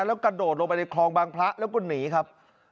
แล้วกระโดดลงไปในคลองบางพระแล้วก็หนีครับ